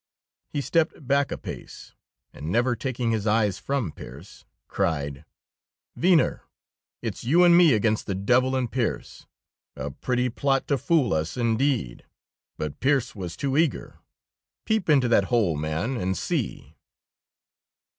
He stepped back a pace, and, never taking his eyes from Pearse, cried: "Venner, it's you and me against the devil and Pearse! A pretty plot to fool us, indeed; but Pearse was too eager. Peep into that hole, man, and see!"